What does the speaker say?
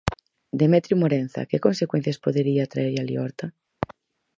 Demetrio Morenza, que consecuencias podería traerlle a liorta?